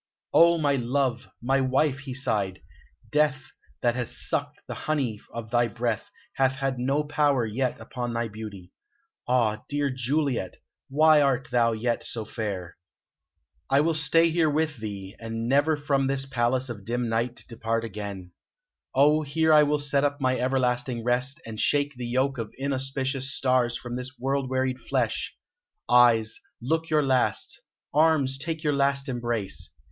"O my love! my wife!" he sighed. "Death, that hath sucked the honey of thy breath, hath had no power yet upon thy beauty.... Ah, dear Juliet! why art thou yet so fair?... I will stay here with thee, and never from this palace of dim night depart again. Oh, here will I set up my everlasting rest, and shake the yoke of inauspicious stars from this world wearied flesh! Eyes, look your last! Arms, take your last embrace!...